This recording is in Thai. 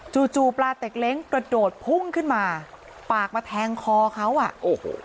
จู่ปลาเต็กเล้งกระโดดพุ่งขึ้นมาปากมาแทงคอเขาอ่ะโอ้โห